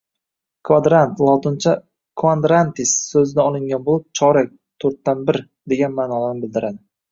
Kvadrant - lotincha ”quadrantis" soʻzidan olingan boʻlib, chorak, toʻrtdan bir degan maʼnolarni bildiradi.